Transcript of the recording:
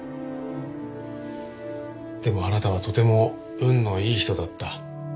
でもあなたはとても運のいい人だった。